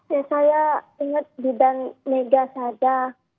ya saya ingat bidan mega sada